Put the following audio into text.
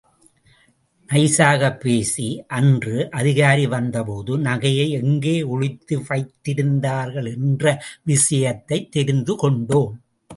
நைசாகப் பேசி அன்று அதிகாரி வந்தபோது நகையை எங்கே ஒளித்து வைத்திருந்தார்கள் என்ற விஷத்தையும் தெரிந்து கொண்டேம்.